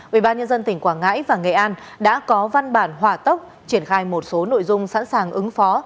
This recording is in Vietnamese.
ubnd tỉnh quảng ngãi và nghệ an đã có văn bản hỏa tốc triển khai một số nội dung sẵn sàng ứng phó